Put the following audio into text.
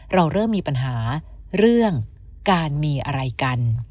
เราเริ่มมีปัญหาเรื่องการมีอะไรกัน